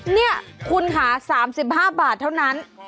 นี่คุณค่ะ๓๕บาทเท่านั้น